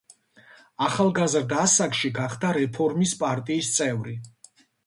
ახალგაზრდა ასაკში გახდა რეფორმის პარტიის წევრი.